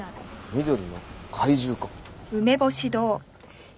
緑の怪獣か。